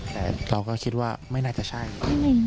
แต่เราก็คิดว่าไม่น่าจะใช่